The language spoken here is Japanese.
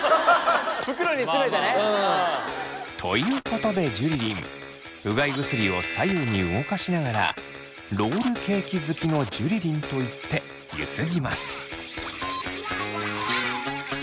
袋に詰めてね。ということでジュリリンうがい薬を左右に動かしながら「ロールケーキ好きのジュリリン」と言ってゆすぎます。